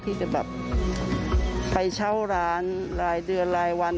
ที่จะแบบไปเช่าร้านรายเดือนรายวัน